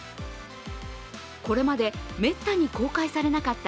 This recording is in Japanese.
これまでめったに公開されなかった